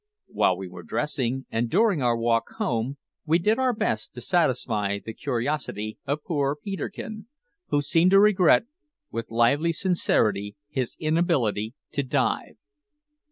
While we were dressing, and during our walk home, we did our best to satisfy the curiosity of poor Peterkin, who seemed to regret, with lively sincerity, his inability to dive.